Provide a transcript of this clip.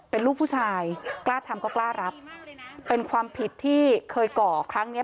เป็นลูกผู้ชายกล้าทำก็กล้ารับเป็นความผิดที่เคยก่อครั้งเนี้ย